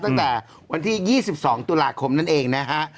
ตั้งแต่วันที่๒๒ตุลาคมนั่นเองนะฮะ